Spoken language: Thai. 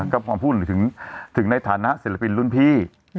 ก็พอพูดถึงในฐานะศิลปินรุ่นพี่